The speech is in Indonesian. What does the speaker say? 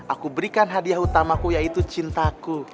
aku berikan hadiah utamaku yaitu cintaku